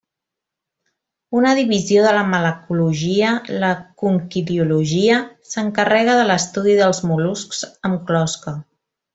Una divisió de la malacologia, la conquiliologia, s'encarrega de l'estudi dels mol·luscs amb closca.